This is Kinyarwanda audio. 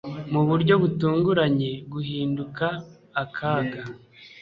mu buryo butunguranye guhinduka akaga.